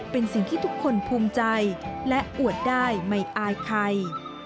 เป็นสิ่งที่ทุกคนภูมิใจและอวดได้ไม่อายใคร